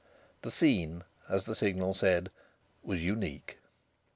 The scene, as the Signal said, was unique.